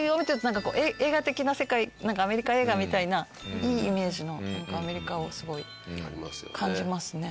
なんかアメリカ映画みたいないいイメージのアメリカをすごい感じますね。